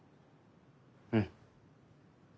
うん。